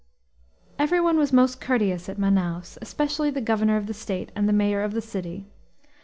Every one was most courteous at Manaos, especially the governor of the state and the mayor of the city.